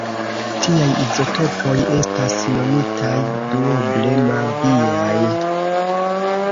Tiaj izotopoj estas nomitaj "duoble magiaj".